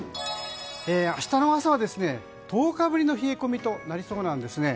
明日の朝は１０日ぶりの冷え込みとなりそうなんですね。